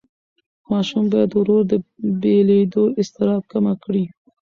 ماشوم باید ورو ورو د بېلېدو اضطراب کمه کړي.